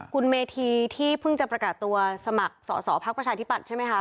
คุณเมธีที่เพิ่งจะประกาศตัวสมัครสอสอพักประชาธิปัตย์ใช่ไหมคะ